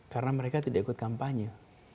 karena mereka tidak ikut kampanye